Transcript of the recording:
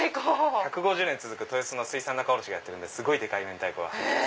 １５０年続く豊洲の水産仲卸がやってるんですごいでかい明太子が入ってます